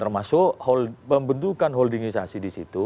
membentukkan holdingisasi di situ